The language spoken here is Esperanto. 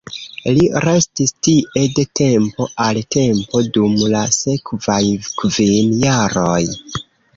Li restis tie de tempo al tempo dum la sekvaj kvin jaroj.